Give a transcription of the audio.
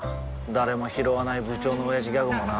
誰もひろわない部長のオヤジギャグもな